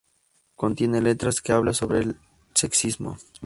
Contiene letras que habla sobre el sexismo.